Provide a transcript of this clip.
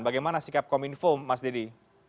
bagaimana sikap kominfo mas dedy